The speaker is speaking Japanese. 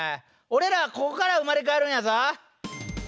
俺らはここから生まれ変わるんやぞ！